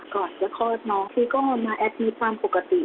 ก่อนจะคลอดน้องพี่ก็มาแอดมิตรตามปกติ